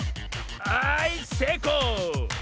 はいせいこう！